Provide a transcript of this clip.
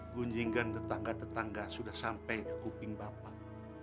kunjingan tetangga tetangga sudah sampai ke kuping bapak